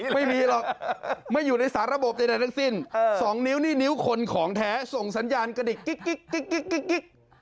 ไม่มีไม่อยู่ในศาลระบบในลักษณ์สองนิ้วนี่นิ้วคนของแท้ส่งสัญญาณกระดิ่งกิ๊ก